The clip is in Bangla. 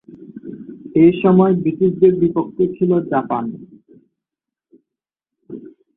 এসময় ব্রিটিশদের বিপক্ষে ছিল জাপান।